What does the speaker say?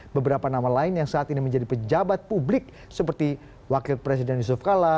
beberapa nama lain yang saat ini menjadi pejabat publik seperti wakil presiden yusuf kala